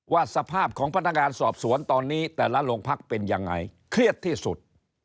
สภาพของพนักงานสอบสวนตอนนี้แต่ละโรงพักเป็นยังไงเครียดที่สุด